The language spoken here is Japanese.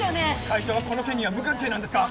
会長はこの件には無関係なんですか？